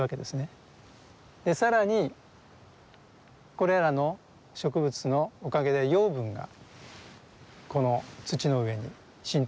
更にこれらの植物のおかげで養分がこの土の上に浸透する。